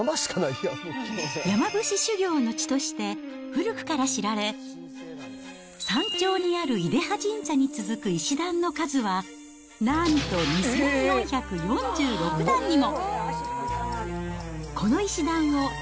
山伏修行の地として古くから知られ、山頂にある出羽神社に続く石段の数は、なんと２４４６段にも。